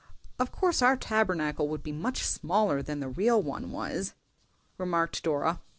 "Of course our Tabernacle would be much smaller than the real one was," remarked Dora.